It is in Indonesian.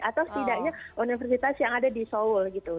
atau setidaknya universitas yang ada di seoul gitu